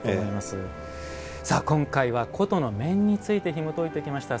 今回は「古都の面」についてひもといてきました。